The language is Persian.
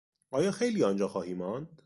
آیا خیلی آنجا خواهی ماند؟